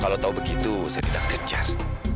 kalau tahu begitu saya tidak kecer